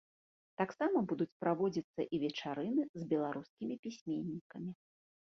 Таксама будуць праводзіцца і вечарыны з беларускімі пісьменнікамі.